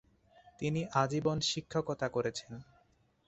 তিনি আজীবন শিক্ষকতা করেছেন।